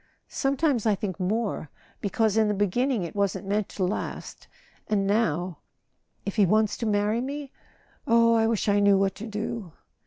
"Sometimes I think more—because in the beginning it wasn't meant to last. And now—if he wants to marry me? Oh, I wish I knew what to do!